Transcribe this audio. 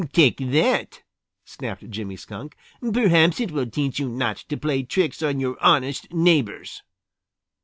"Take that!" snapped Jimmy Skunk. "Perhaps it will teach you not to play tricks on your honest neighbors!"